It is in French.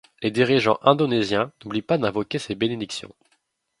Les dirigeants indonésiens n'oublient pas d'invoquer ses bénédictions.